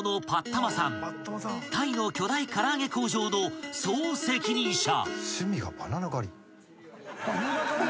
［タイの巨大から揚げ工場の総責任者］